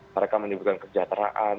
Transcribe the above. mereka menyebutkan kejateraan